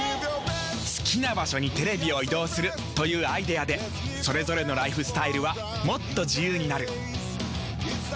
好きな場所にテレビを移動するというアイデアでそれぞれのライフスタイルはもっと自由になる。